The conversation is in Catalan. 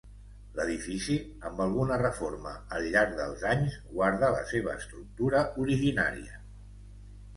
L'edifici, amb alguna reforma al llarg dels anys, guarda la seva estructura originària.